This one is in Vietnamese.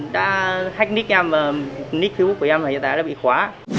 đã hack nick em nick facebook của em và hiện tại đã bị khóa